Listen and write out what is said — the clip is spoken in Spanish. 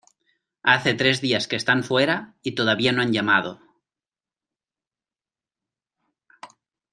Hace tres días que están fuera y todavía no han llamado.